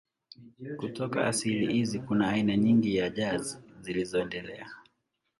Kutoka asili hizi kuna aina nyingi za jazz zilizoendelea.